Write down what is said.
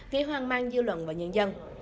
gây hoang mang dư luận vào nhân dân